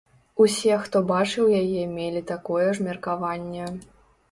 Усе, хто бачыў яе мелі такое ж меркаванне.